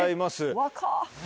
若っ。